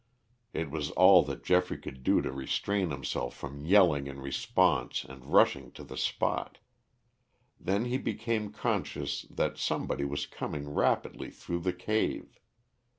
It was all that Geoffrey could do to restrain himself from yelling in response and rushing to the spot. Then he became conscious that somebody was coming rapidly through the cave.